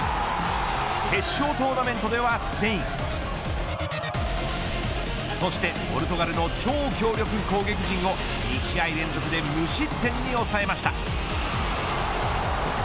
決勝トーナメントではスペインそしてポルトガルの超強力攻撃陣を２試合連続で無失点に抑えました。